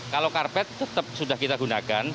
kalau karpet tetap sudah kita gunakan